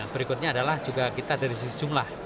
berikutnya adalah juga kita dari sisi jumlah